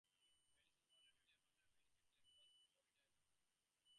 Madison was ready to abandon the American claim to West Florida altogether.